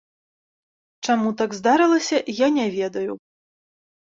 Чаму так здарылася, я не ведаю.